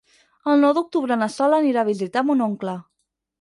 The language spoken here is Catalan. El nou d'octubre na Sol anirà a visitar mon oncle.